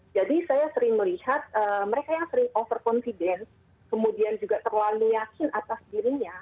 jadi saya sering melihat mereka yang sering over confidence kemudian juga terlalu yakin atas dirinya